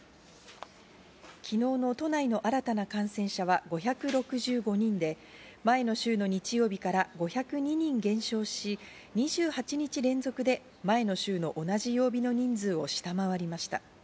昨日の都内の新たな感染者は５６５人で、前の週の日曜日から５０２人減少し、２８日連続で前の週の同じ曜日の人数を下回りました。